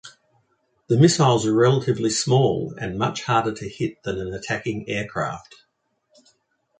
The missiles were relatively small and much harder to hit than an attacking aircraft.